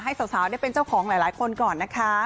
ให้สาวได้เป็นเจ้าของหลายคนก่อนนะคะ